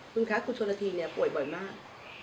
คุณคะคุณชนละทีเนี่ยป่วยบ่อยมาก